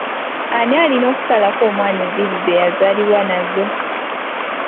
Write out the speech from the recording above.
Ani alina okusalako omwana enviiri ze yazaalibwa nazo?